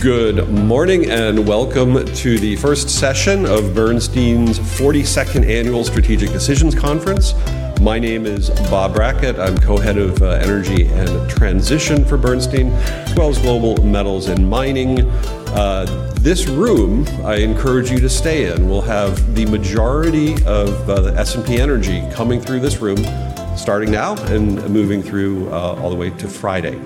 Good morning, welcome to the first session of Bernstein 42nd Annual Strategic Decisions Conference. My name is Bob Brackett. I'm co-head of Energy and Transition for Bernstein, as well as Global Metals and Mining. This room, I encourage you to stay in. We'll have the majority of the S&P energy coming through this room starting now and moving through all the way to Friday.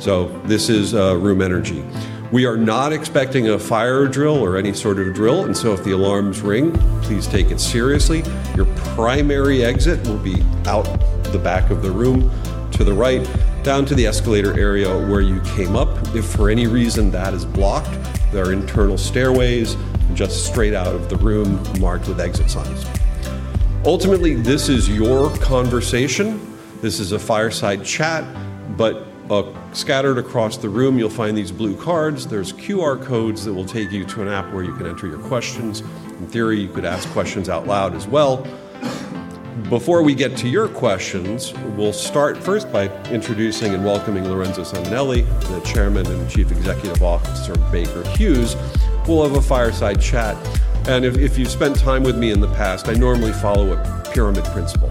This is room energy. We are not expecting a fire drill or any sort of drill, and so if the alarms ring, please take it seriously. Your primary exit will be out the back of the room to the right, down to the escalator area where you came up. If for any reason that is blocked, there are internal stairways just straight out of the room marked with exit signs. Ultimately, this is your conversation. This is a fireside chat. Scattered across the room, you'll find these blue cards. There's QR codes that will take you to an app where you can enter your questions. In theory, you could ask questions out loud as well. Before we get to your questions, we'll start first by introducing and welcoming Lorenzo Simonelli, the Chairman and Chief Executive Officer of Baker Hughes. We'll have a fireside chat. If you've spent time with me in the past, I normally follow a pyramid principle.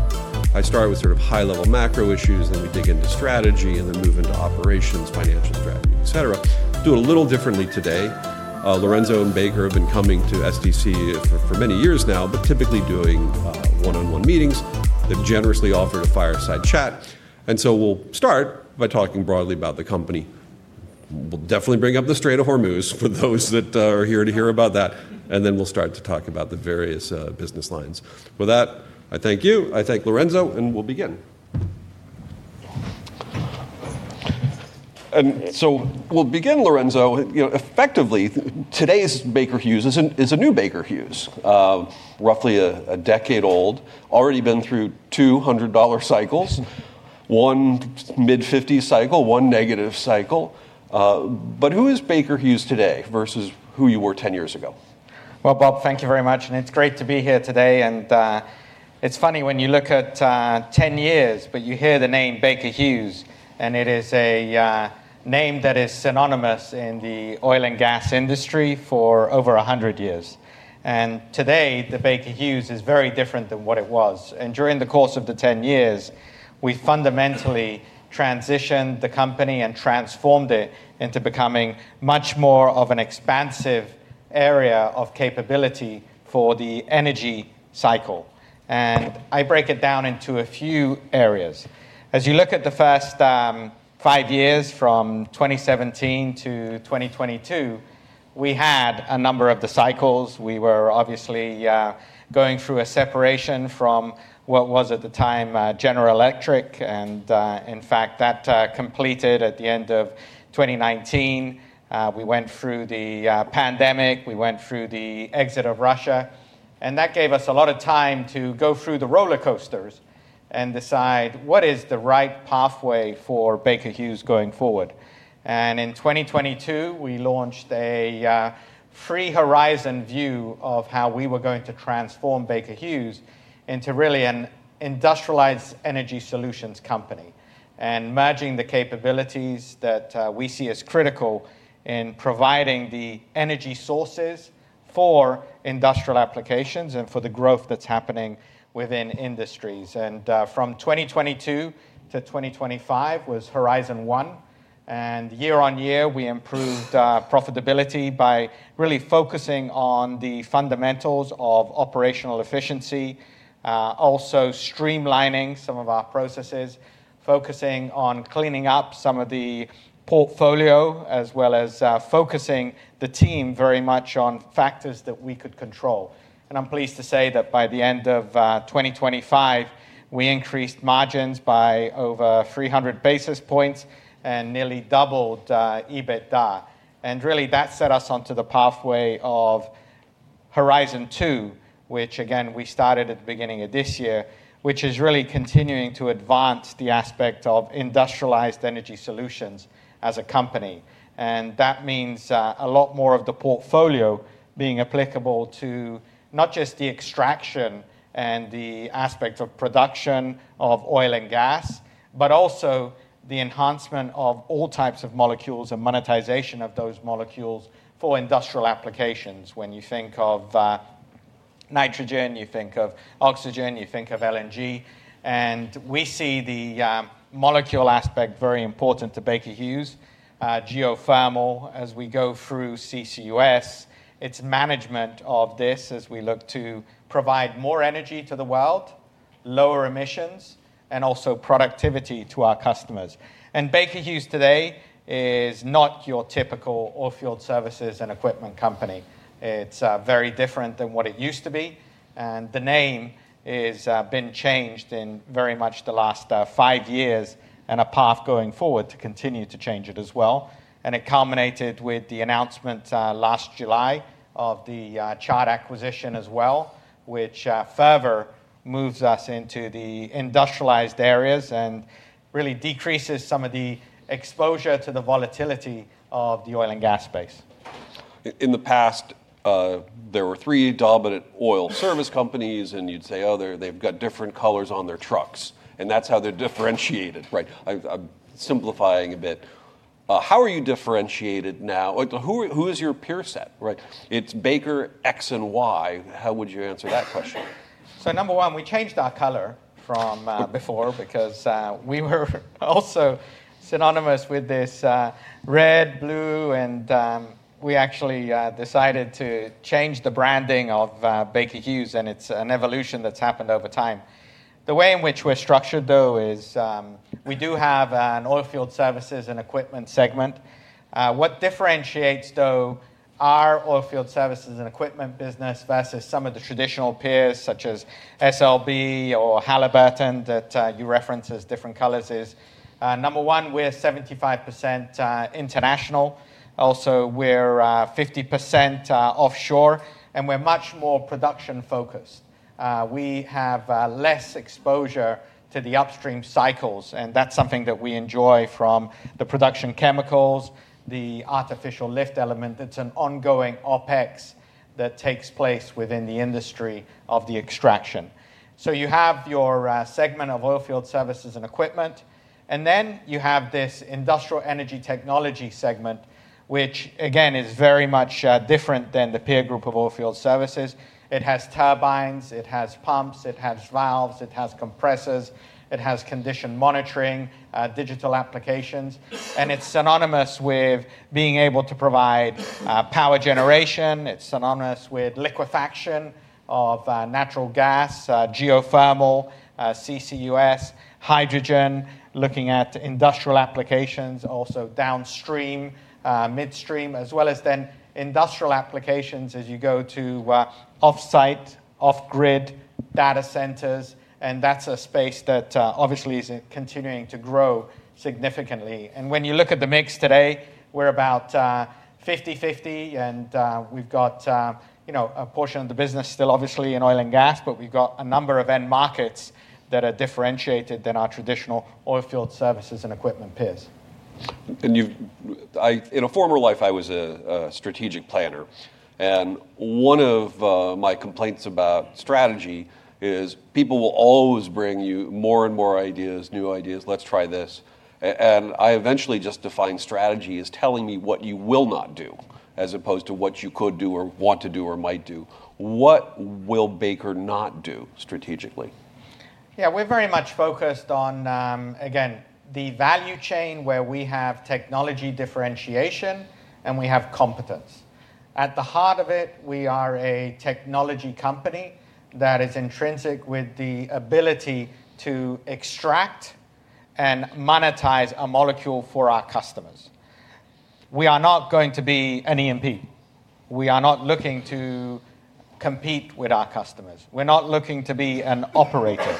I start with sort of high-level macro issues, then we dig into strategy and then move into operations, financial strategy, etc. Do it a little differently today. Lorenzo and Baker have been coming to SDC for many years now, typically doing one-on-one meetings. They've generously offered a fireside chat, we'll start by talking broadly about the company. We'll definitely bring up the Strait of Hormuz for those that are here to hear about that, and then we'll start to talk about the various business lines. With that, I thank you, I thank Lorenzo, and we'll begin. We'll begin, Lorenzo. Effectively, today's Baker Hughes is a new Baker Hughes. Roughly a decade old. Already been through two $100 cycles, one mid-$50 cycle, one negative cycle. Who is Baker Hughes today versus who you were 10 years ago? Well, Bob, thank you very much and it's great to be here today. It's funny when you look at 10 years, but you hear the name Baker Hughes, and it is a name that is synonymous in the oil and gas industry for over 100 years. Today, the Baker Hughes is very different than what it was. During the course of the 10 years, we fundamentally transitioned the company and transformed it into becoming much more of an expansive area of capability for the energy cycle. I break it down into a few areas. As you look at the first five years, from 2017-2022, we had a number of the cycles. We were obviously going through a separation from what was at the time General Electric, and in fact, that completed at the end of 2019. That gave us a lot of time to go through the roller coasters and decide what is the right pathway for Baker Hughes going forward. In 2022, we launched a three-horizon view of how we were going to transform Baker Hughes into really an industrialized energy solutions company. Merging the capabilities that we see as critical in providing the energy sources for industrial applications and for the growth that's happening within industries. From 2022-2025 was Horizon One, and year on year, we improved profitability by really focusing on the fundamentals of operational efficiency. Also streamlining some of our processes, focusing on cleaning up some of the portfolio, as well as focusing the team very much on factors that we could control. I'm pleased to say that by the end of 2025, we increased margins by over 300 basis points and nearly doubled EBITDA. Really that set us onto the pathway of Horizon Two, which again, we started at the beginning of this year, which is really continuing to advance the aspect of industrialized energy solutions as a company. That means a lot more of the portfolio being applicable to not just the extraction and the aspect of production of oil and gas, but also the enhancement of all types of molecules and monetization of those molecules for industrial applications. When you think of nitrogen, you think of oxygen, you think of LNG, and we see the molecule aspect very important to Baker Hughes. Geothermal, as we go through CCUS, it's management of this as we look to provide more energy to the world, lower emissions, and also productivity to our customers. Baker Hughes today is not your typical Oilfield Services & Equipment company. It's very different than what it used to be. The name is being changed in very much the last five years and a path going forward to continue to change it as well. It culminated with the announcement last July of the Chart acquisition as well, which further moves us into the industrialized areas and really decreases some of the exposure to the volatility of the oil and gas space. In the past, there were three dominant oil service companies, and you'd say, Oh, they've got different colors on their trucks, and that's how they're differentiated. I'm simplifying a bit. How are you differentiated now? Who is your peer set? It's Baker X and Y. How would you answer that question? Number one, we changed our color from before because we were also synonymous with this red, blue, and we actually decided to change the branding of Baker Hughes, and it's an evolution that's happened over time. The way in which we're structured, though, is we do have an Oilfield Services & Equipment segment. What differentiates, though, our Oilfield Services & Equipment business versus some of the traditional peers such as SLB or Halliburton that you reference as different colors is, number one, we're 75% international. Also, we're 50% offshore, and we're much more production-focused. We have less exposure to the upstream cycles, and that's something that we enjoy from the production chemicals, the artificial lift element. It's an ongoing OpEx that takes place within the industry of the extraction. You have your segment of Oilfield Services & Equipment, and then you have this Industrial & Energy Technology segment, which again is very much different than the peer group of oilfield services. It has turbines, it has pumps, it has valves, it has compressors, it has condition monitoring, digital applications. It's synonymous with being able to provide power generation. It's synonymous with liquefaction of natural gas, geothermal, CCUS, hydrogen, looking at industrial applications, also downstream, midstream, as well as then industrial applications as you go to offsite, off-grid data centers, and that's a space that obviously is continuing to grow significantly. When you look at the mix today, we're about 50/50 and we've got a portion of the business still obviously in oil and gas, but we've got a number of end markets that are differentiated than our traditional Oilfield Services & Equipment peers. In a former life, I was a strategic planner, one of my complaints about strategy is people will always bring you more and more ideas, new ideas, let's try this. I eventually just defined strategy as telling me what you will not do as opposed to what you could do or want to do or might do. What will Baker not do strategically? Yeah, we're very much focused on, again, the value chain where we have technology differentiation and we have competence. At the heart of it, we are a technology company that is intrinsic with the ability to extract and monetize a molecule for our customers. We are not going to be an E&P. We are not looking to compete with our customers. We're not looking to be an operator.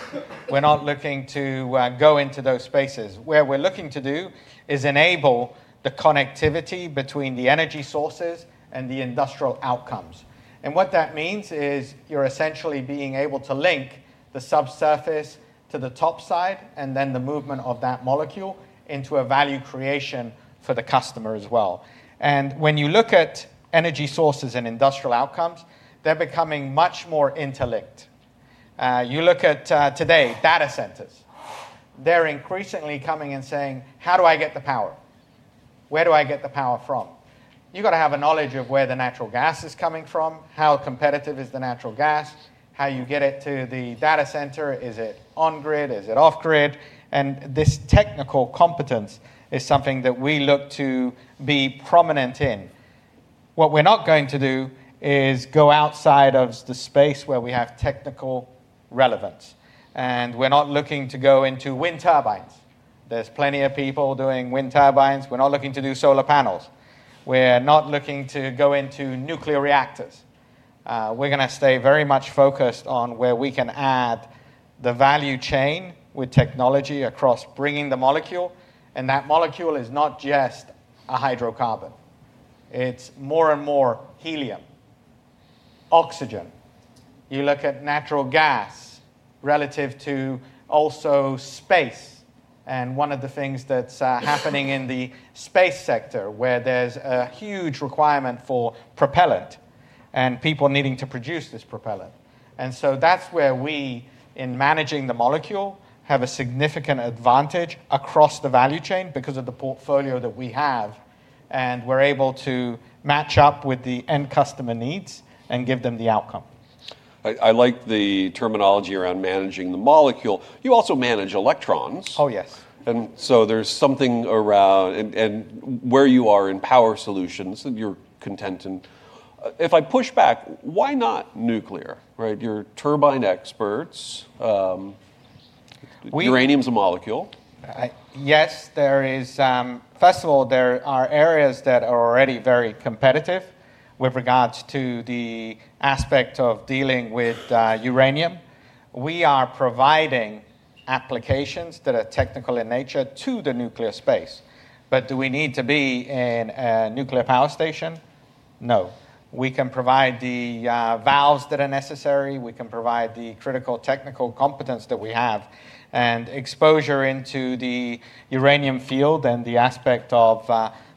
We're not looking to go into those spaces. Where we're looking to do is enable the connectivity between the energy sources and the industrial outcomes. What that means is you're essentially being able to link the subsurface to the top side and then the movement of that molecule into a value creation for the customer as well. When you look at energy sources and industrial outcomes, they're becoming much more interlinked. You look at today, data centers. They're increasingly coming and saying, how do I get the power? Where do I get the power from? You got to have a knowledge of where the natural gas is coming from, how competitive is the natural gas, how you get it to the data center. Is it on grid? Is it off grid? This technical competence is something that we look to be prominent in. What we're not going to do is go outside of the space where we have technical relevance, and we're not looking to go into wind turbines. There's plenty of people doing wind turbines. We're not looking to do solar panels. We're not looking to go into nuclear reactors. We're going to stay very much focused on where we can add the value chain with technology across bringing the molecule, and that molecule is not just a hydrocarbon. It's more and more helium, oxygen. You look at natural gas relative to also space. One of the things that's happening in the space sector, where there's a huge requirement for propellant and people needing to produce this propellant. That's where we, in managing the molecule, have a significant advantage across the value chain because of the portfolio that we have, and we're able to match up with the end customer needs and give them the outcome. I like the terminology around managing the molecule. You also manage electrons. Oh, yes. There's something around. Where you are in power solutions, you're content in. If I push back, why not nuclear? You're turbine experts. We. Uranium's a molecule. Yes. First of all, there are areas that are already very competitive with regards to the aspect of dealing with uranium. We are providing applications that are technical in nature to the nuclear space. Do we need to be in a nuclear power station? No. We can provide the valves that are necessary. We can provide the critical technical competence that we have. Exposure into the uranium field and the aspect of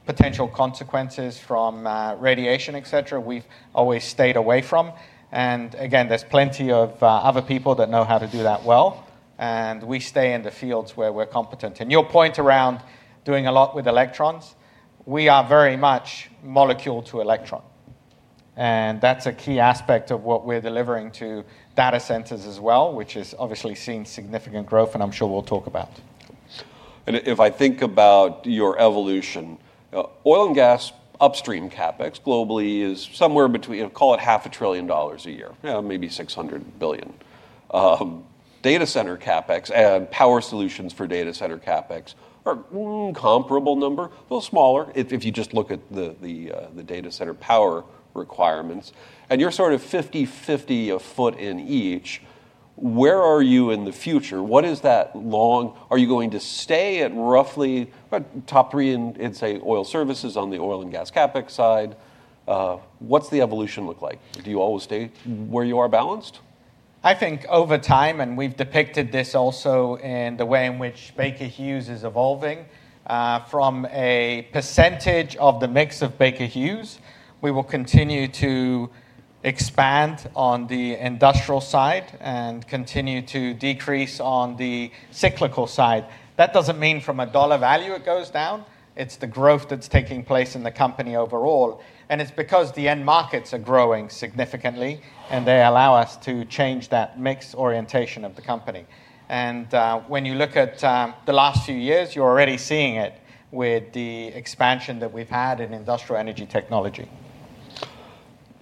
potential consequences from radiation, etc., we've always stayed away from. Again, there's plenty of other people that know how to do that well, and we stay in the fields where we're competent. Your point around doing a lot with electrons, we are very much molecule to electron. That's a key aspect of what we're delivering to data centers as well, which is obviously seeing significant growth, and I'm sure we'll talk about. If I think about your evolution, oil and gas upstream CapEx globally is somewhere in between, call it half a trillion dollars a year. Maybe $600 billion. Data center CapEx and power solutions for data center CapEx are comparable number, a little smaller if you just look at the data center power requirements, and you're sort of 50-50 a foot in each. Where are you in the future? Are you going to stay at roughly the top three in, say, oil services on the oil and gas CapEx side? What's the evolution look like? Do you always stay where you are balanced? I think over time, and we've depicted this also in the way in which Baker Hughes is evolving, from a percentage of the mix of Baker Hughes. We will continue to expand on the industrial side and continue to decrease on the cyclical side. That doesn't mean from a dollar value it goes down. It's the growth that's taking place in the company overall, and it's because the end markets are growing significantly, and they allow us to change that mix orientation of the company. When you look at the last few years, you're already seeing it with the expansion that we've had in Industrial & Energy Technology.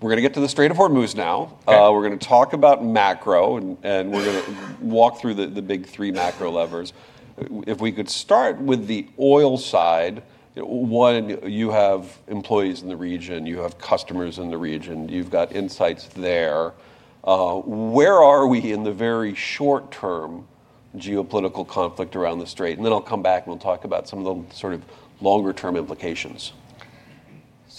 We're going to get to the Strait of Hormuz now. Okay. We're going to talk about macro, and we're going to walk through the big three macro levers. If we could start with the oil side. One, you have employees in the region. You have customers in the region. You've got insights there. Where are we in the very short term geopolitical conflict around the Strait? I'll come back, and we'll talk about some of the sort of longer-term implications.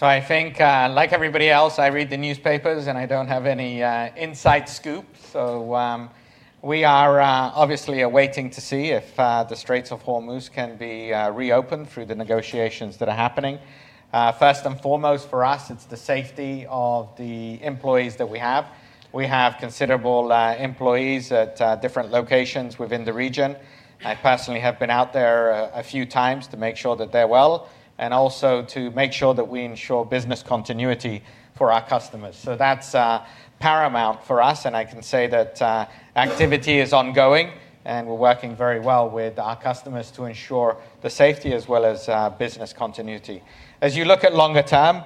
I think, like everybody else, I read the newspapers, and I don't have any inside scoop. We are obviously waiting to see if the Straits of Hormuz can be reopened through the negotiations that are happening. First and foremost, for us, it's the safety of the employees that we have. We have considerable employees at different locations within the region. I personally have been out there a few times to make sure that they're well, and also to make sure that we ensure business continuity for our customers. That's paramount for us, and I can say that activity is ongoing, and we're working very well with our customers to ensure the safety as well as business continuity. As you look at longer term,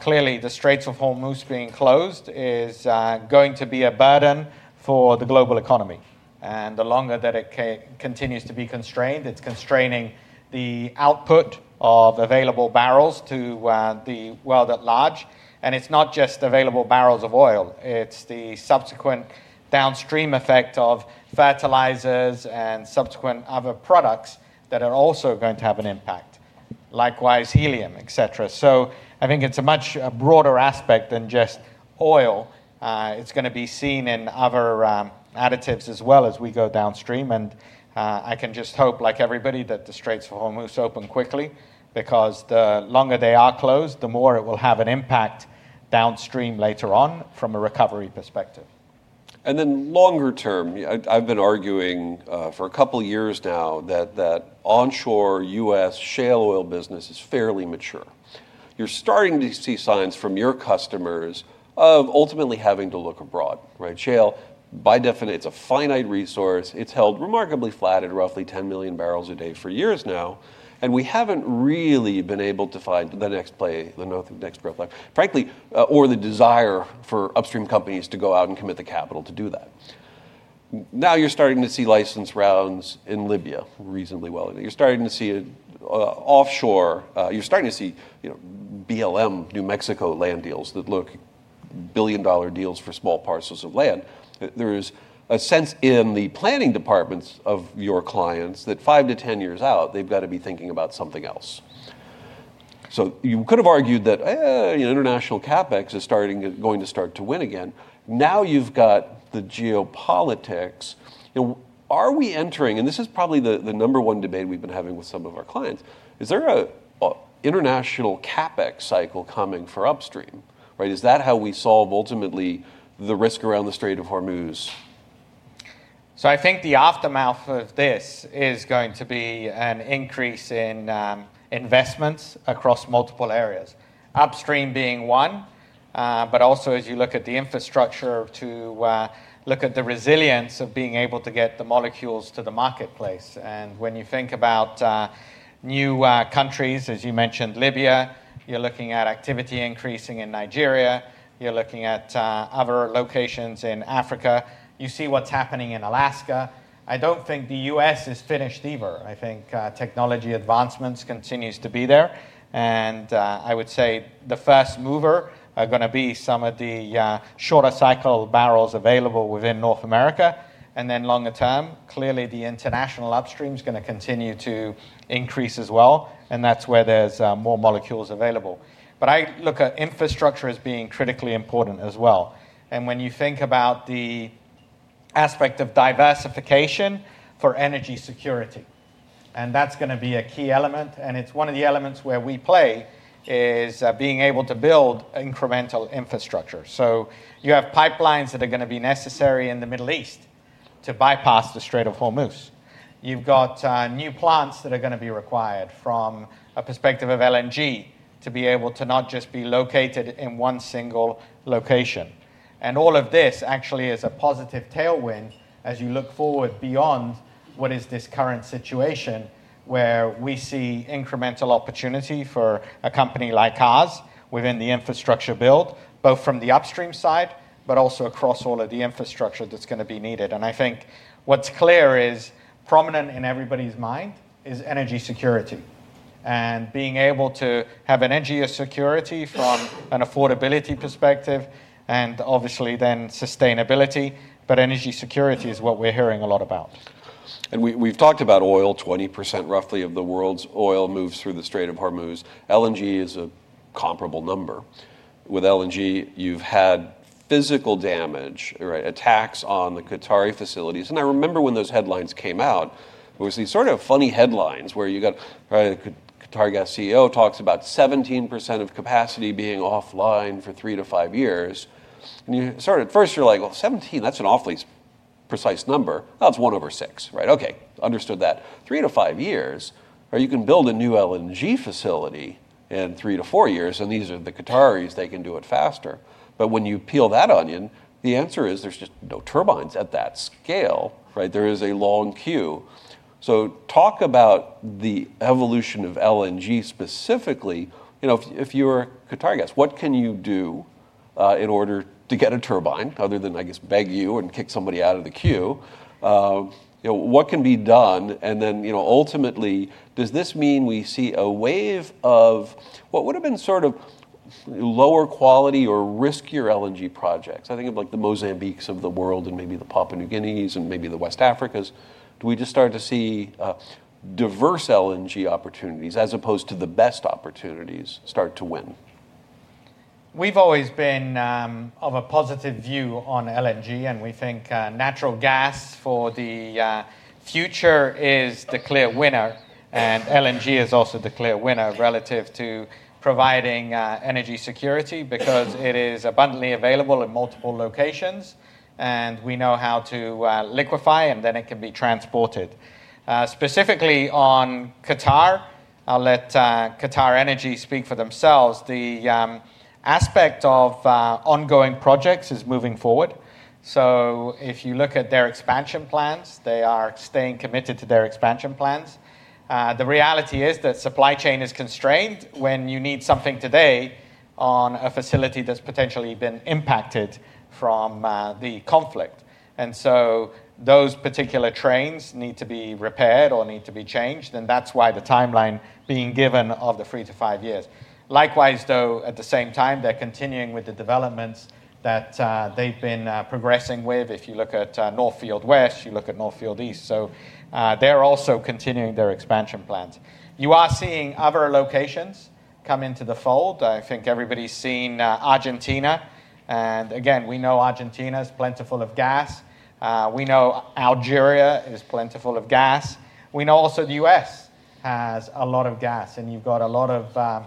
clearly the Straits of Hormuz being closed is going to be a burden for the global economy. The longer that it continues to be constrained, it's constraining the output of available barrels to the world at large. It's not just available barrels of oil. It's the subsequent downstream effect of fertilizers and subsequent other products that are also going to have an impact. Likewise, helium, etc. I think it's a much broader aspect than just oil. It's going to be seen in other additives as well as we go downstream. I can just hope, like everybody, that the Straits of Hormuz open quickly because the longer they are closed, the more it will have an impact downstream later on from a recovery perspective. Longer term, I've been arguing for a couple of years now that onshore U.S. shale oil business is fairly mature. You're starting to see signs from your customers of ultimately having to look abroad, right? Shale, by definition, it's a finite resource. It's held remarkably flat at roughly 10 million barrels a day for years now, and we haven't really been able to find the next play, the next growth play, frankly, or the desire for upstream companies to go out and commit the capital to do that. Now you're starting to see license rounds in Libya reasonably well. You're starting to see offshore. You're starting to see BLM New Mexico land deals that look like billion-dollar deals for small parcels of land. There is a sense in the planning departments of your clients that five to 10 years out, they've got to be thinking about something else. You could have argued that international CapEx is going to start to win again. Now you've got the geopolitics. Are we entering, and this is probably the number one debate we've been having with some of our clients. Is there an international CapEx cycle coming for upstream? Is that how we solve ultimately the risk around the Strait of Hormuz? I think the aftermath of this is going to be an increase in investments across multiple areas, upstream being one. Also as you look at the infrastructure to look at the resilience of being able to get the molecules to the marketplace. When you think about new countries, as you mentioned, Libya. You're looking at activity increasing in Nigeria. You're looking at other locations in Africa. You see what's happening in Alaska. I don't think the U.S. is finished either. I think technology advancements continue to be there. I would say the first mover are going to be some of the shorter cycle barrels available within North America. Then longer term, clearly the international upstream is going to continue to increase as well, and that's where there's more molecules available. I look at infrastructure as being critically important as well. When you think about the aspect of diversification for energy security. That's going to be a key element, and it's one of the elements where we play is being able to build incremental infrastructure. You have pipelines that are going to be necessary in the Middle East to bypass the Strait of Hormuz. You've got new plants that are going to be required from a perspective of LNG to be able to not just be located in one single location. All of this actually is a positive tailwind as you look forward beyond what is this current situation, where we see incremental opportunity for a company like ours within the infrastructure build, both from the upstream side, but also across all of the infrastructure that's going to be needed. I think what's clear is prominent in everybody's mind is energy security and being able to have energy security from an affordability perspective and obviously then sustainability. Energy security is what we're hearing a lot about. We've talked about oil, 20% roughly of the world's oil moves through the Strait of Hormuz. LNG is a comparable number. With LNG, you've had physical damage or attacks on the Qatari facilities. I remember when those headlines came out, there was these sort of funny headlines where you got the Qatari gas CEO talks about 17% of capacity being offline for three to five years. You sort of at first you're like, well, 17, that's an awfully precise number. Oh, it's one over six. Right. Okay, understood that. Three to five years, or you can build a new LNG facility in three to four years, and these are the Qataris, they can do it faster. When you peel that onion, the answer is there's just no turbines at that scale. There is a long queue. Talk about the evolution of LNG specifically. If you were Qatari gas, what can you do in order to get a turbine other than, I guess, beg you and kick somebody out of the queue? What can be done? Ultimately, does this mean we see a wave of what would have been sort of lower quality or riskier LNG projects? I think of the Mozambiques of the world and maybe the Papua New Guineas and maybe the West Africas. Do we just start to see diverse LNG opportunities as opposed to the best opportunities start to win? We've always been of a positive view on LNG. We think natural gas for the future is the clear winner. LNG is also the clear winner relative to providing energy security because it is abundantly available in multiple locations. We know how to liquefy, then it can be transported. Specifically on Qatar, I'll let QatarEnergy speak for themselves. The aspect of ongoing projects is moving forward. If you look at their expansion plans, they are staying committed to their expansion plans. The reality is that supply chain is constrained when you need something today on a facility that's potentially been impacted from the conflict. Those particular trains need to be repaired or need to be changed, and that's why the timeline being given of the three to five years. Likewise, though, at the same time, they're continuing with the developments that they've been progressing with. If you look at North Field West, you look at North Field East. They're also continuing their expansion plans. You are seeing other locations come into the fold. I think everybody's seen Argentina. Again, we know Argentina is plentiful of gas. We know Algeria is plentiful of gas. We know also the U.S. has a lot of gas, and you've got a lot of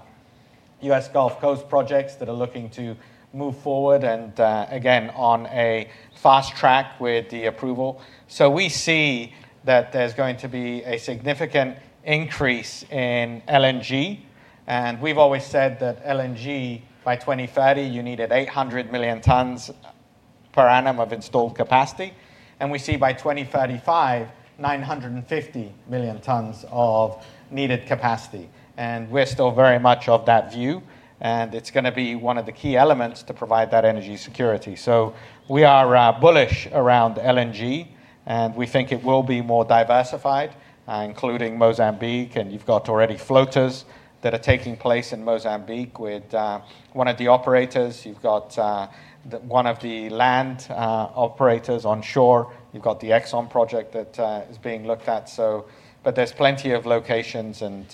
U.S. Gulf Coast projects that are looking to move forward and, again, on a fast track with the approval. We see that there's going to be a significant increase in LNG, and we've always said that LNG, by 2030, you needed 800 million tons per annum of installed capacity. We see by 2035, 950 million tons of needed capacity. We're still very much of that view, and it's going to be one of the key elements to provide that energy security. We are bullish around LNG, and we think it will be more diversified, including Mozambique, and you've got already floaters that are taking place in Mozambique with one of the operators. You've got one of the land operators onshore. You've got the ExxonMobil project that is being looked at. There's plenty of locations, and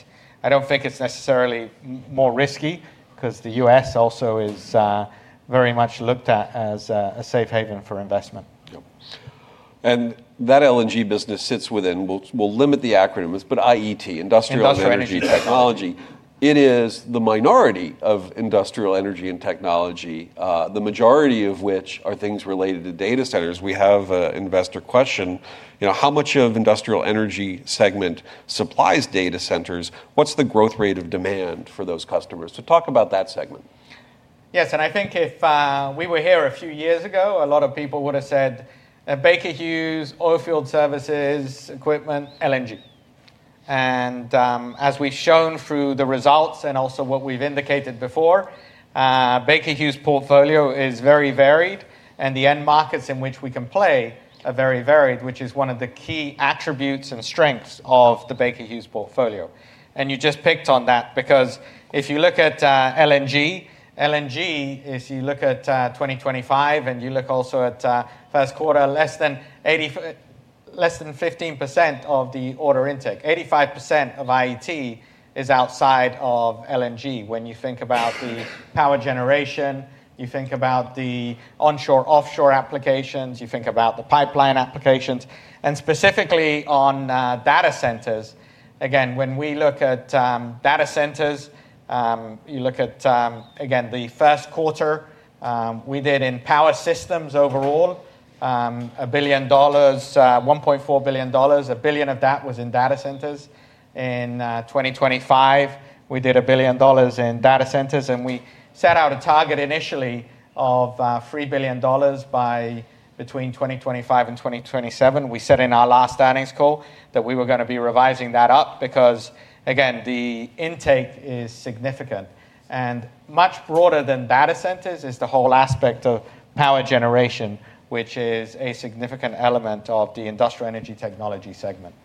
I don't think it's necessarily more risky because the U.S. also is very much looked at as a safe haven for investment. Yep. That LNG business sits within, we'll limit the acronyms, but IET, Industrial & Energy Technology. Industrial Energy Technology. It is the minority of Industrial & Energy Technology, the majority of which are things related to data centers. We have an investor question, how much of Industrial Energy segment supplies data centers? What's the growth rate of demand for those customers? Talk about that segment. Yes, I think if we were here a few years ago, a lot of people would have said Baker Hughes, Oilfield Services, Equipment, LNG. As we've shown through the results and also what we've indicated before, Baker Hughes' portfolio is very varied, and the end markets in which we can play are very varied, which is one of the key attributes and strengths of the Baker Hughes portfolio. You just picked on that because if you look at LNG, if you look at 2025, and you look also at first quarter, less than 15% of the order intake, 85% of IET is outside of LNG. When you think about the power generation, you think about the onshore-offshore applications, you think about the pipeline applications. Specifically on data centers, again, when we look at data centers, you look at the first quarter, we did in power systems overall, $1.4 billion. 1 billion of that was in data centers. In 2025, we did $1 billion in data centers. We set out a target initially of $3 billion between 2025 and 2027. We said in our last earnings call that we were going to be revising that up because, again, the intake is significant. Much broader than data centers is the whole aspect of power generation, which is a significant element of the Industrial & Energy Technology segment.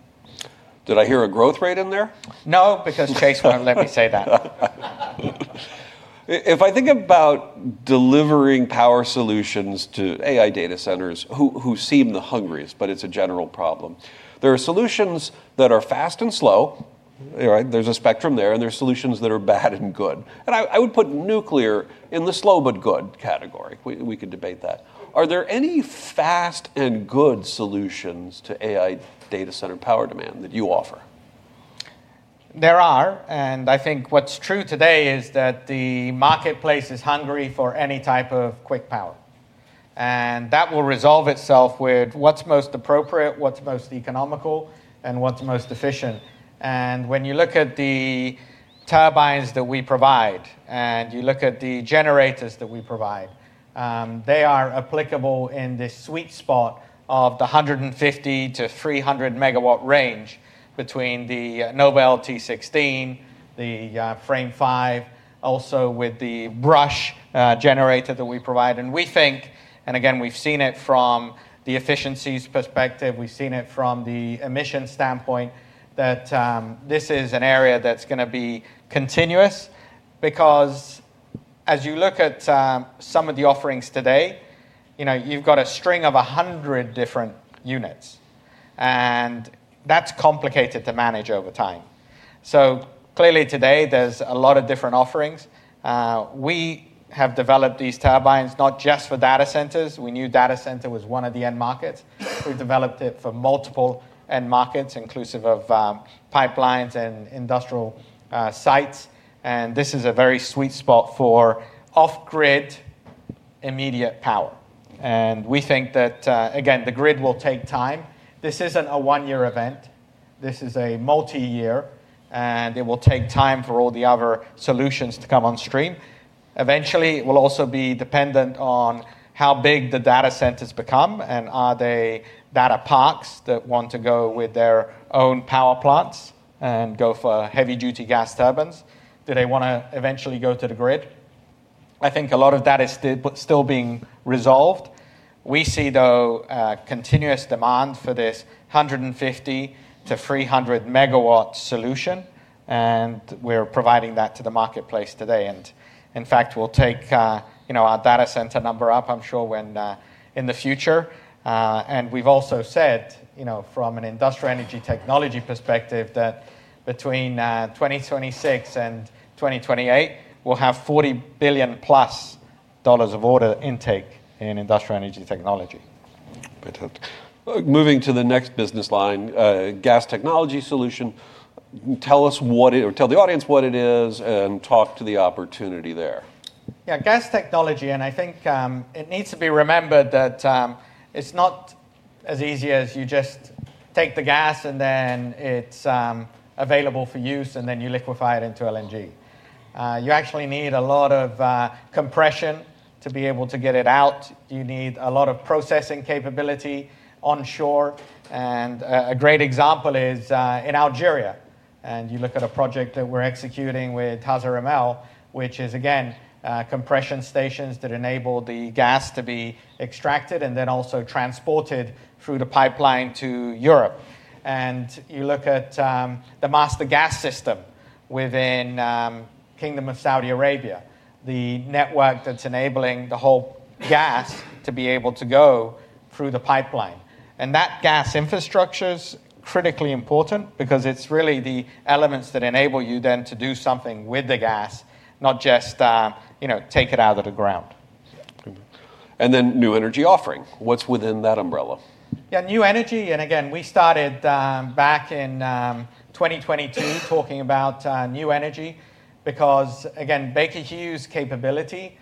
Did I hear a growth rate in there? No, because Chase won't let me say that. If I think about delivering power solutions to AI data centers, who seem the hungriest, but it's a general problem. There are solutions that are fast and slow. There's a spectrum there, and there are solutions that are bad and good. I would put nuclear in the slow but good category. We could debate that. Are there any fast and good solutions to AI data center power demand that you offer? I think what's true today is that the marketplace is hungry for any type of quick power. That will resolve itself with what's most appropriate, what's most economical, and what's most efficient. When you look at the turbines that we provide, you look at the generators that we provide, they are applicable in this sweet spot of the 150 MW-300 MW range between the NovaLT16, the Frame 5, also with the BRUSH generator that we provide. We think, and again, we've seen it from the efficiencies perspective, we've seen it from the emissions standpoint, that this is an area that's going to be continuous. As you look at some of the offerings today, you've got a string of 100 different units. That's complicated to manage over time. Clearly today, there's a lot of different offerings. We have developed these turbines not just for data centers. We knew data center was one of the end markets. We've developed it for multiple end markets, inclusive of pipelines and industrial sites. This is a very sweet spot for off-grid immediate power. We think that, again, the grid will take time. This isn't a one-year event. This is a multi-year. It will take time for all the other solutions to come on stream. Eventually, it will also be dependent on how big the data centers become. Are they data parks that want to go with their own power plants and go for heavy-duty gas turbines? Do they want to eventually go to the grid? I think a lot of that is still being resolved. We see, though, continuous demand for this 150 MW-300 MW solution. We're providing that to the marketplace today. In fact, we'll take our data center number up, I'm sure, in the future. We've also said, from an Industrial & Energy Technology perspective, that between 2026 and 2028, we'll have $40 billion+ of order intake in Industrial & Energy Technology. Moving to the next business line, Gas Technology Services. Tell the audience what it is and talk to the opportunity there. Yeah, gas technology. I think it needs to be remembered that it's not as easy as you just take the gas and then it's available for use, and then you liquefy it into LNG. You actually need a lot of compression to be able to get it out. You need a lot of processing capability onshore. A great example is in Algeria. You look at a project that we're executing with TAZAMA, which is, again, compression stations that enable the gas to be extracted and then also transported through the pipeline to Europe. You look at the Master Gas System within Kingdom of Saudi Arabia, the network that's enabling the whole gas to be able to go through the pipeline. That gas infrastructure is critically important because it's really the elements that enable you then to do something with the gas, not just take it out of the ground. New energy offering. What's within that umbrella? Yeah, new energy. Again, we started back in 2022 talking about new energy because, again, Baker Hughes' capability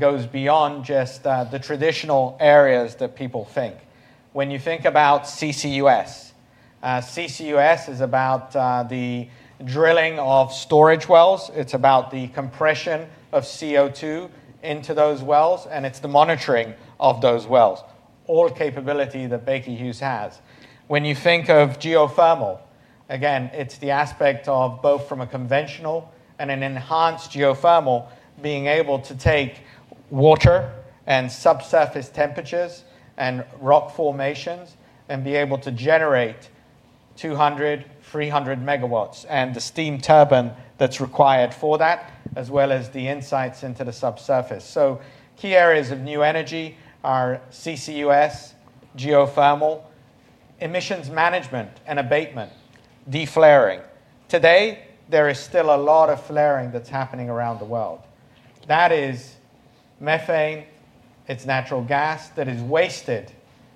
goes beyond just the traditional areas that people think. When you think about CCUS is about the drilling of storage wells, it's about the compression of CO2 into those wells, and it's the monitoring of those wells. All capability that Baker Hughes has. When you think of geothermal, again, it's the aspect of both from a conventional and an enhanced geothermal being able to take water and subsurface temperatures and rock formations and be able to generate 200 MW, 300 MW, and the steam turbine that's required for that, as well as the insights into the subsurface. Key areas of new energy are CCUS, geothermal, emissions management and abatement, de-flaring. Today, there is still a lot of flaring that's happening around the world. That is methane, it's natural gas that is wasted,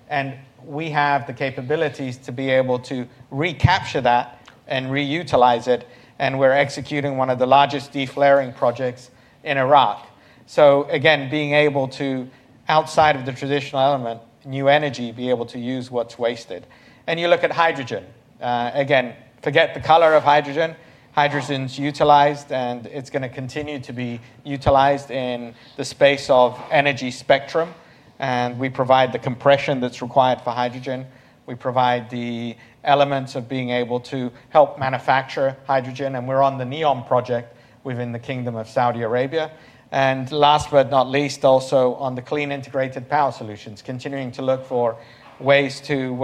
and we have the capabilities to be able to recapture that and reutilize it, and we're executing one of the largest de-flaring projects in Iraq. Again, being able to, outside of the traditional element, new energy, be able to use what's wasted. You look at hydrogen. Again, forget the color of hydrogen. Hydrogen's utilized, and it's going to continue to be utilized in the space of energy spectrum, and we provide the compression that's required for hydrogen. We provide the elements of being able to help manufacture hydrogen, and we're on the Neom project within the Kingdom of Saudi Arabia. Last but not least, also on the clean integrated power solutions, continuing to look for ways to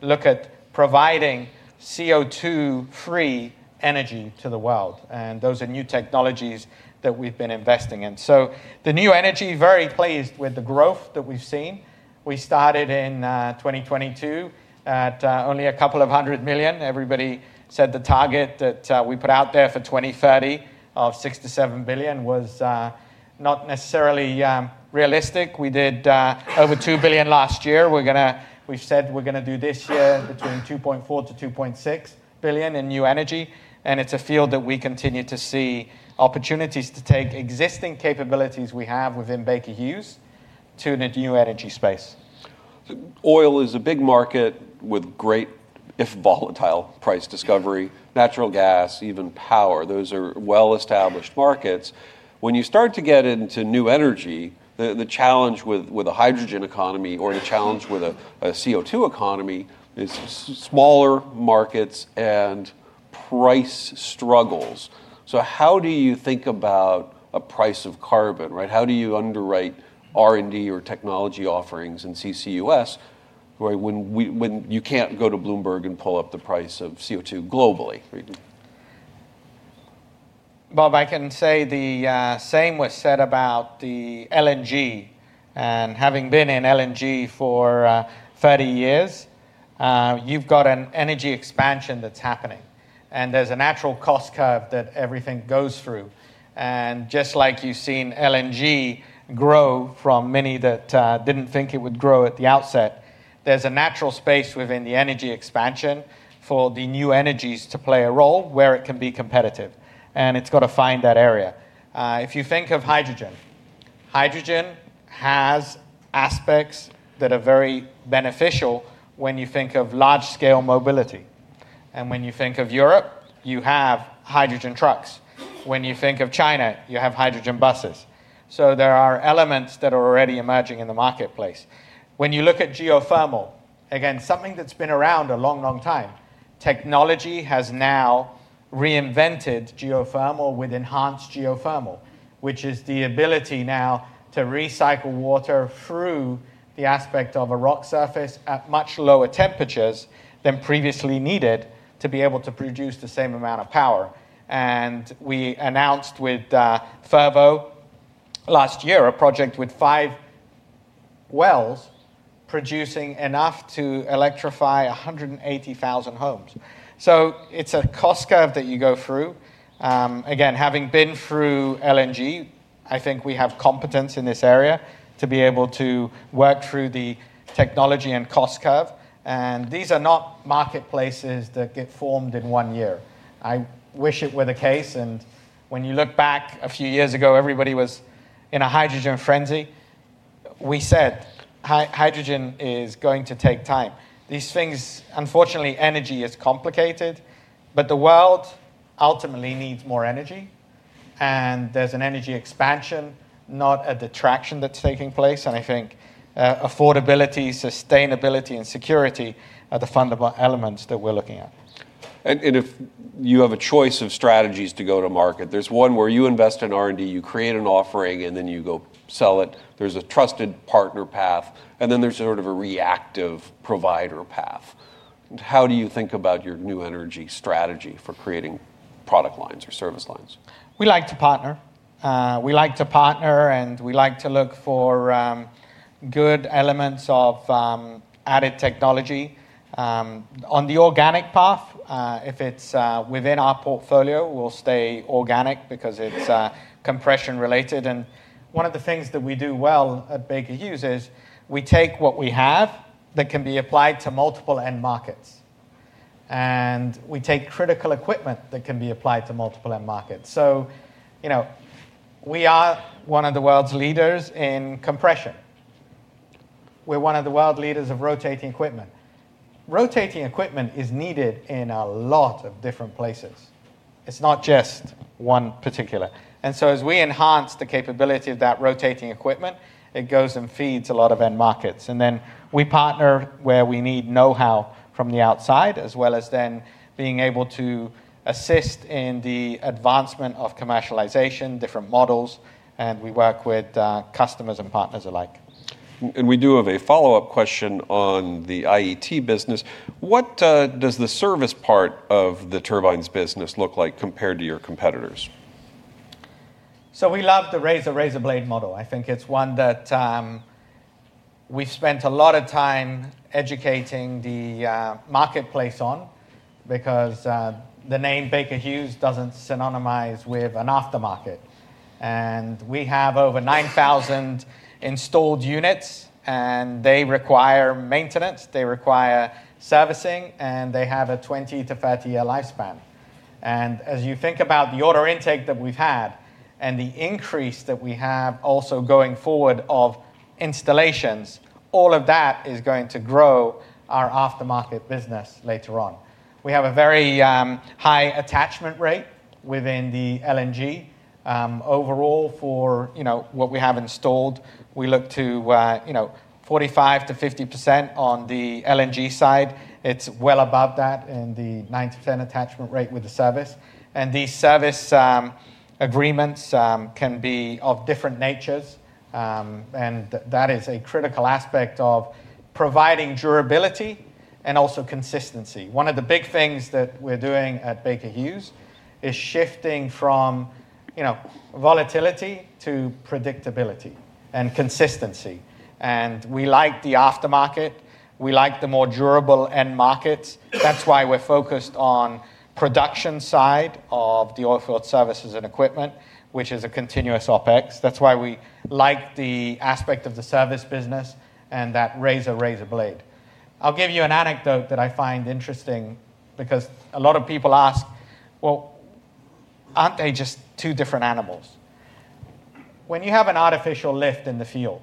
look at providing CO2-free energy to the world. Those are new technologies that we've been investing in. The new energy, very pleased with the growth that we've seen. We started in 2022 at only a couple of hundred million. Everybody said the target that we put out there for 2030 of $6 billion-$7 billion was not necessarily realistic. We did over $2 billion last year. We've said we're going to do this year between $2.4 billion-$2.6 billion in new energy. It's a field that we continue to see opportunities to take existing capabilities we have within Baker Hughes to the new energy space. Oil is a big market with great, if volatile, price discovery. Natural gas, even power, those are well-established markets. When you start to get into new energy, the challenge with a hydrogen economy or the challenge with a CO2 economy is smaller markets and price struggles. How do you think about a price of carbon, right? How do you underwrite R&D or technology offerings in CCUS, when you can't go to Bloomberg and pull up the price of CO2 globally? Bob, I can say the same was said about the LNG. Having been in LNG for 30 years, you've got an energy expansion that's happening, and there's a natural cost curve that everything goes through. Just like you've seen LNG grow from many that didn't think it would grow at the outset, there's a natural space within the energy expansion for the new energies to play a role where it can be competitive, and it's got to find that area. If you think of hydrogen has aspects that are very beneficial when you think of large-scale mobility. When you think of Europe, you have hydrogen trucks. When you think of China, you have hydrogen buses. There are elements that are already emerging in the marketplace. When you look at geothermal, again, something that's been around a long time, technology has now reinvented geothermal with enhanced geothermal, which is the ability now to recycle water through the aspect of a rock surface at much lower temperatures than previously needed to be able to produce the same amount of power. We announced with Fervo last year, a project with five wells producing enough to electrify 180,000 homes. It's a cost curve that you go through. Again, having been through LNG, I think we have competence in this area to be able to work through the technology and cost curve. These are not marketplaces that get formed in one year. I wish it were the case, and when you look back a few years ago, everybody was in a hydrogen frenzy. We said hydrogen is going to take time. These things, unfortunately, energy is complicated, but the world ultimately needs more energy, and there's an energy expansion, not a detraction that's taking place. I think affordability, sustainability, and security are the fundamental elements that we're looking at. If you have a choice of strategies to go to market, there's one where you invest in R&D, you create an offering, and then you go sell it. There's a trusted partner path, and then there's sort of a reactive provider path. How do you think about your new energy strategy for creating product lines or service lines? We like to partner. We like to partner, and we like to look for good elements of added technology. On the organic path, if it's within our portfolio, we'll stay organic because it's compression related. One of the things that we do well at Baker Hughes is we take what we have that can be applied to multiple end markets, and we take critical equipment that can be applied to multiple end markets. We are one of the world's leaders in compression. We're one of the world leaders of rotating equipment. Rotating equipment is needed in a lot of different places. It's not just one particular. As we enhance the capability of that rotating equipment, it goes and feeds a lot of end markets. We partner where we need know-how from the outside, as well as then being able to assist in the advancement of commercialization, different models, and we work with customers and partners alike. We do have a follow-up question on the IET business. What does the service part of the turbines business look like compared to your competitors? We love the razor blade model. I think it's one that we've spent a lot of time educating the marketplace on because the name Baker Hughes doesn't synonymize with an aftermarket. We have over 9,000 installed units, and they require maintenance, they require servicing, and they have a 20-30-year lifespan. As you think about the order intake that we've had and the increase that we have also going forward of installations, all of that is going to grow our aftermarket business later on. We have a very high attachment rate within the LNG. Overall for what we have installed, we look to 45%-50% on the LNG side. It's well above that in the nine-10 attachment rate with the service. These service agreements can be of different natures. That is a critical aspect of providing durability and also consistency. One of the big things that we're doing at Baker Hughes is shifting from volatility to predictability and consistency. We like the aftermarket, we like the more durable end markets. That's why we're focused on production side of the Oilfield Services & Equipment, which is a continuous OpEx. That's why we like the aspect of the service business and that razor blade. I'll give you an anecdote that I find interesting because a lot of people ask, "Well, aren't they just two different animals? When you have an artificial lift in the field,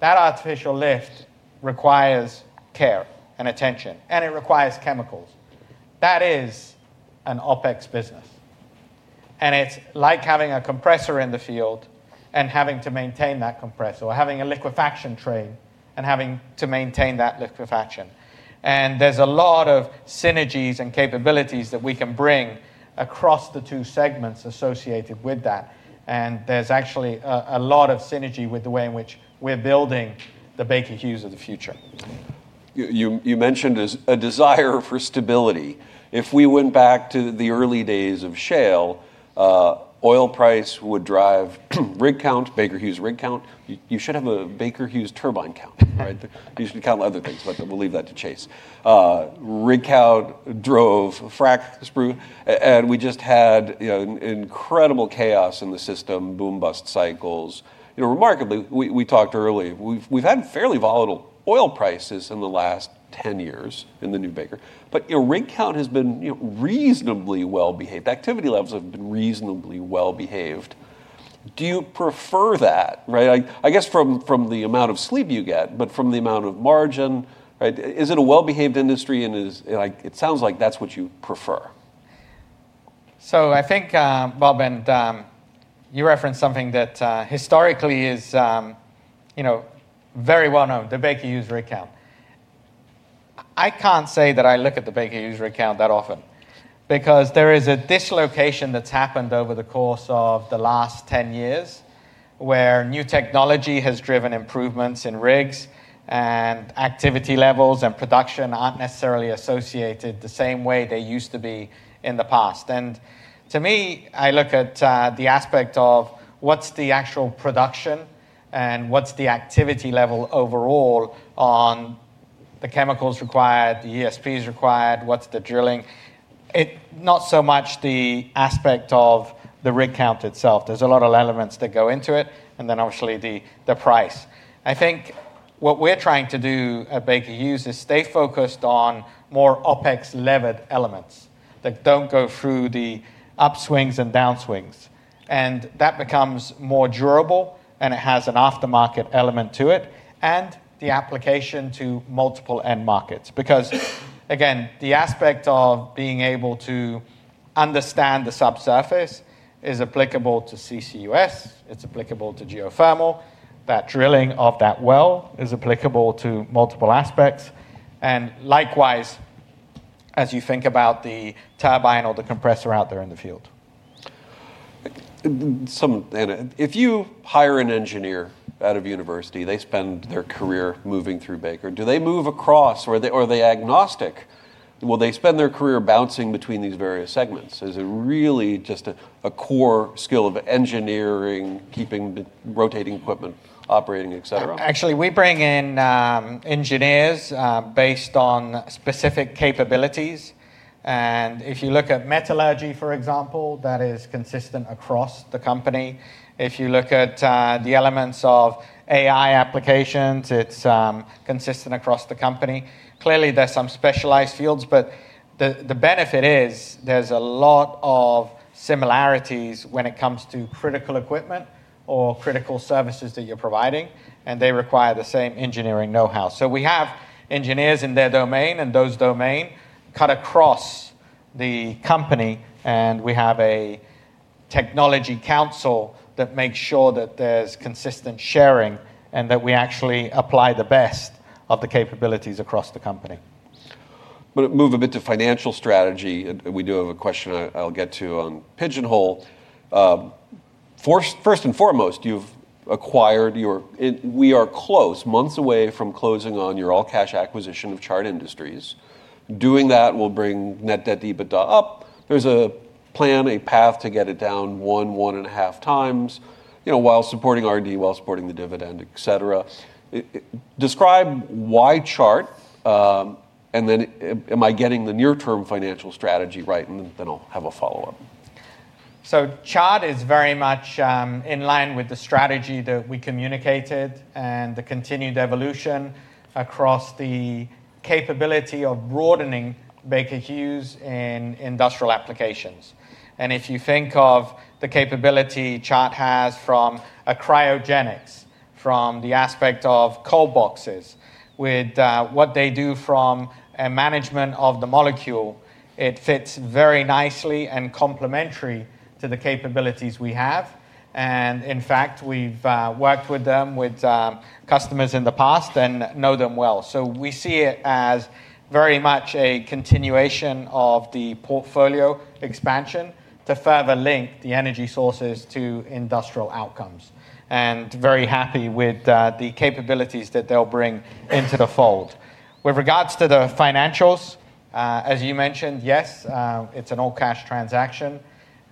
that artificial lift requires care and attention, and it requires chemicals. That is an OpEx business. It's like having a compressor in the field and having to maintain that compressor, or having a liquefaction train and having to maintain that liquefaction. There's a lot of synergies and capabilities that we can bring across the two segments associated with that. There's actually a lot of synergy with the way in which we're building the Baker Hughes of the future. You mentioned a desire for stability. If we went back to the early days of shale, oil price would drive rig count, Baker Hughes rig count. You should have a Baker Hughes turbine count, right? You should count other things, but we'll leave that to Chase. Rig count drove frac spread, and we just had incredible chaos in the system, boom bust cycles. Remarkably, we talked earlier, we've had fairly volatile oil prices in the last 10 years in the new Baker Hughes, but rig count has been reasonably well-behaved. Activity levels have been reasonably well-behaved. Do you prefer that, right? I guess from the amount of sleep you get, but from the amount of margin. Is it a well-behaved industry? It sounds like that's what you prefer. I think, Bob, and you referenced something that historically is very well known, the Baker Hughes rig count. I can't say that I look at the Baker Hughes rig count that often because there is a dislocation that's happened over the course of the last 10 years, where new technology has driven improvements in rigs, and activity levels and production aren't necessarily associated the same way they used to be in the past. To me, I look at the aspect of what's the actual production and what's the activity level overall on the chemicals required, the ESPs required, what's the drilling? Not so much the aspect of the rig count itself. There's a lot of elements that go into it, and then obviously the price. I think what we're trying to do at Baker Hughes is stay focused on more OpEx-levered elements that don't go through the upswings and downswings. That becomes more durable, and it has an aftermarket element to it and the application to multiple end markets. Again, the aspect of being able to understand the subsurface is applicable to CCUS, it's applicable to geothermal. That drilling of that well is applicable to multiple aspects. Likewise, as you think about the turbine or the compressor out there in the field. If you hire an engineer out of university, they spend their career moving through Baker. Do they move across, or are they agnostic? Will they spend their career bouncing between these various segments? Is it really just a core skill of engineering, keeping the rotating equipment operating, etc.? Actually, we bring in engineers based on specific capabilities, and if you look at metallurgy, for example, that is consistent across the company. If you look at the elements of AI applications, it's consistent across the company. Clearly, there's some specialized fields, but the benefit is there's a lot of similarities when it comes to critical equipment or critical services that you're providing, and they require the same engineering know-how. We have engineers in their domain, and those domain cut across the company, and we have a technology council that makes sure that there's consistent sharing and that we actually apply the best of the capabilities across the company. Move a bit to financial strategy. We do have a question I'll get to on Pigeonhole. First and foremost, we are close, months away from closing on your all-cash acquisition of Chart Industries. Doing that will bring net debt EBITDA up. There's a plan, a path to get it down one and a half times, while supporting R&D, while supporting the dividend, etc. Describe why Chart. Am I getting the near-term financial strategy right? I'll have a follow-up. Chart is very much in line with the strategy that we communicated and the continued evolution across the capability of broadening Baker Hughes in industrial applications. If you think of the capability Chart has from a cryogenics, from the aspect of cold boxes with what they do from a management of the molecule, it fits very nicely and complementary to the capabilities we have. In fact, we've worked with them with customers in the past and know them well. We see it as very much a continuation of the portfolio expansion to further link the energy sources to industrial outcomes. Very happy with the capabilities that they'll bring into the fold. With regards to the financials, as you mentioned, yes, it's an all-cash transaction,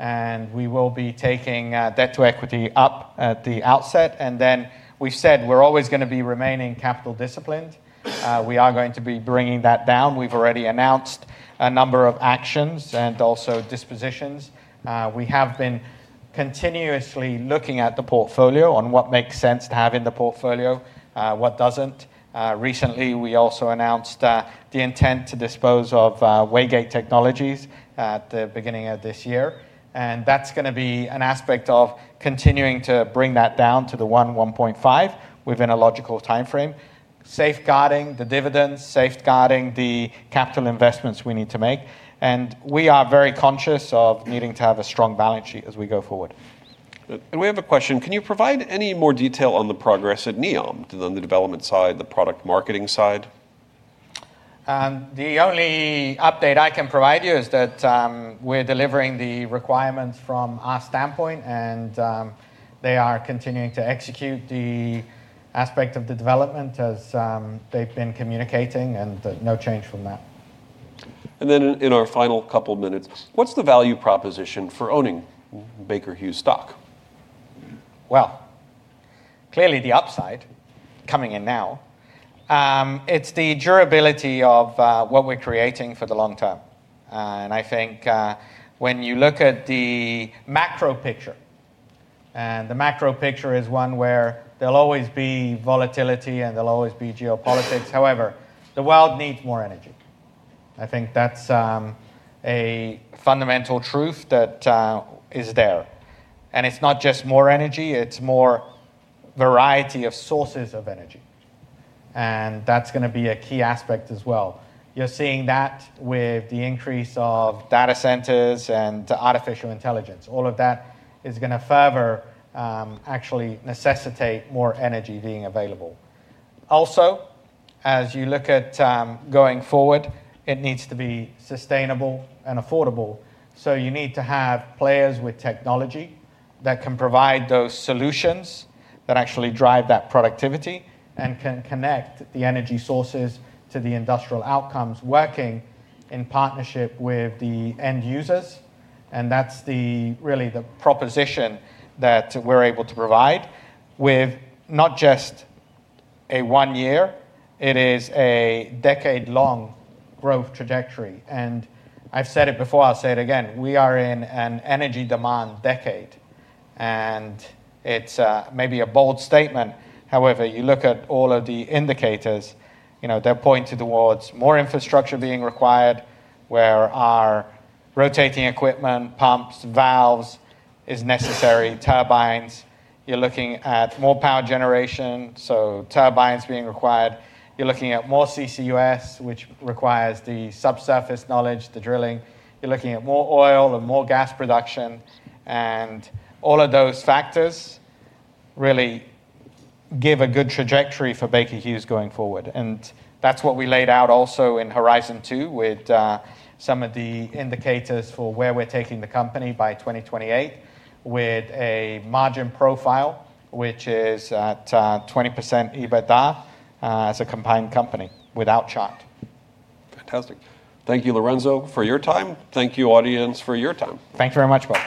and we will be taking debt to EBITDA up at the outset. We've said we're always going to be remaining capital disciplined. We are going to be bringing that down. We've already announced a number of actions and also dispositions. We have been continuously looking at the portfolio on what makes sense to have in the portfolio, what doesn't. Recently, we also announced the intent to dispose of Waygate Technologies at the beginning of this year, and that's going to be an aspect of continuing to bring that down to the one, 1.5 within a logical timeframe, safeguarding the dividends, safeguarding the capital investments we need to make. We are very conscious of needing to have a strong balance sheet as we go forward. We have a question. Can you provide any more detail on the progress at NEOM on the development side, the product marketing side? The only update I can provide you is that we're delivering the requirements from our standpoint. They are continuing to execute the aspect of the development as they've been communicating and no change from that. In our final couple of minutes, what's the value proposition for owning Baker Hughes stock? Well, clearly the upside coming in now. It's the durability of what we're creating for the long term. I think when you look at the macro picture, and the macro picture is one where there'll always be volatility and there'll always be geopolitics. However, the world needs more energy. I think that's a fundamental truth that is there. It's not just more energy, it's more variety of sources of energy, and that's going to be a key aspect as well. You're seeing that with the increase of data centers and artificial intelligence. All of that is going to further actually necessitate more energy being available. Also, as you look at going forward, it needs to be sustainable and affordable. You need to have players with technology that can provide those solutions that actually drive that productivity and can connect the energy sources to the industrial outcomes, working in partnership with the end users. That's really the proposition that we're able to provide with not just a one year, it is a decade-long growth trajectory. I've said it before, I'll say it again, we are in an energy demand decade. It's maybe a bold statement. However, you look at all of the indicators, they're pointed towards more infrastructure being required where our rotating equipment, pumps, valves is necessary, turbines. You're looking at more power generation, so turbines being required. You're looking at more CCUS, which requires the subsurface knowledge, the drilling. You're looking at more oil and more gas production. All of those factors really give a good trajectory for Baker Hughes going forward. That's what we laid out also in Horizon Two with some of the indicators for where we're taking the company by 2028 with a margin profile which is at 20% EBITDA as a combined company with Chart. Fantastic. Thank you, Lorenzo, for your time. Thank you, audience, for your time. Thank you very much, Bob.